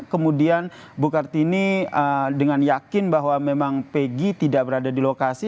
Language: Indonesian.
kemudian bu kartini dengan yakin bahwa memang pegi tidak berada di lokasi